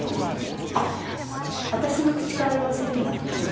あっ私の口から言わせるんだと思って。